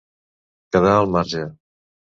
Quedar al marge.